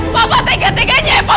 papa tegak tegak aja ya pak